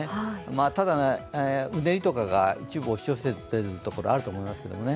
ただ、うねりとかが一部押し寄せてるところあると思います。